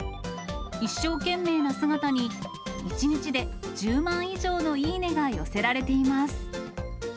一生懸命な姿に、１日で１０万以上のいいねが寄せられています。